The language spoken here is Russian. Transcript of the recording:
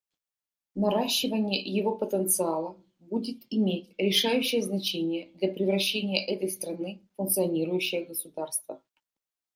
Наращивание его потенциала будет иметь решающее значение для превращения этой страны в функционирующее государство.